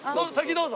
どうぞ。